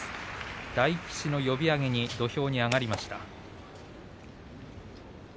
大吉の呼び上げに土俵に上がりました。